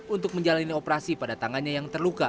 untuk menjalani operasi pada tangannya yang terluka